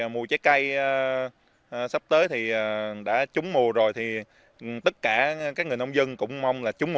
mùa trái cây sắp tới thì đã trúng mù rồi tất cả các người nông dân cũng mong là trúng mù